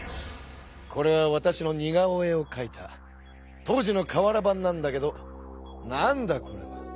これはわたしの似顔絵をかいた当時のかわら版なんだけどなんだこれは。